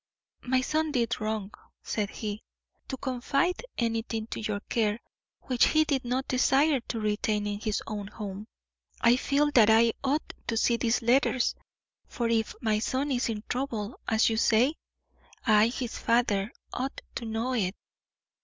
"My son did wrong," said he, "to confide anything to your care which he did not desire to retain in his own home. I feel that I ought to see these letters, for if my son is in trouble, as you say, I, his father, ought to know it."